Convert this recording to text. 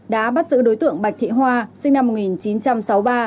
đã bắt giữ đối tượng bạch thị hoa sinh năm một nghìn chín trăm sáu mươi ba